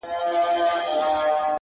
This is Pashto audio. زما او جانان د زندګۍ خبره ورانه سوله,